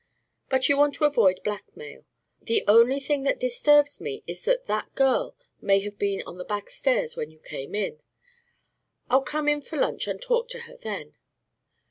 But you want to avoid blackmail. The only thing that disturbs me is that that girl may have been on the back stairs when you came in. I'll come in for lunch and talk to her then.